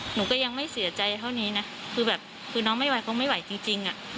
หนูก็ยังไม่เสียใจเท่านี้นะคือแบบคือน้องไม่ไหวเขาไม่ไหวจริงอ่ะ